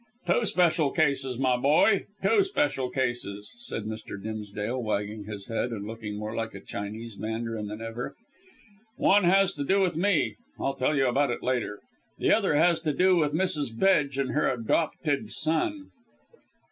"Two special cases, my boy, two special cases," said Mr. Dimsdale, wagging his head and looking more like a Chinese mandarin than ever. "One has to do with me I'll tell you about it later; the other has to do with Mrs. Bedge and her adopted son."